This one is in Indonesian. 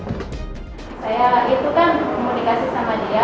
saya lagi itu kan komunikasi sama dia